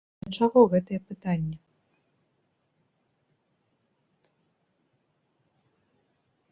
А да чаго гэтае пытанне?